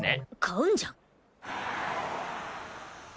買うんじゃん。